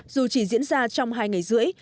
dù chỉ diễn ra trong hai ngày rưỡi